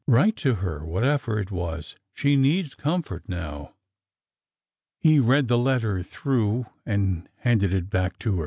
Write to her, what ever it was. ... She needs comfort now." He read the letter through and handed it back to her.